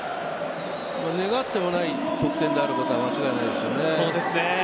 願ってもない得点であることは間違いないです。